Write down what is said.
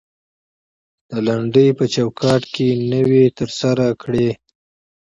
د لنډۍ په چوکات کې نوى تر سره کړى.